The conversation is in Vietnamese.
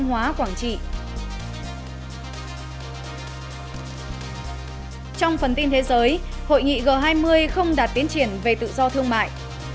hội nghị g hai mươi không đạt tiến triển về tự do thương mại